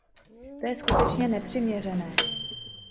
To je skutečně nepřiměřené.